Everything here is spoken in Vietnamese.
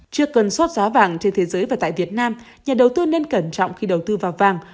chưa cân sốt giá vàng trên thế giới và tại việt nam nhà đầu tư nên cẩn trọng khi đầu tư vào vàng